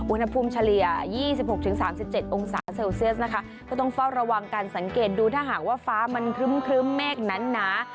อุณหภูมิเฉลี่ยยี่สิบหกถึงสามสิบเจ็ดองศาเซลเซียสนะคะก็ต้องเฝ้าระวังกันสังเกตดูถ้าหากว่าฟ้ามันครึ้มครึ้มเมฆนั้นหนา